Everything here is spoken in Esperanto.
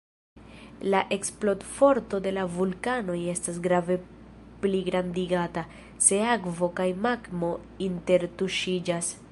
La eksplodforto de la vulkanoj estas grave pligrandigata, se akvo kaj magmo intertuŝiĝas.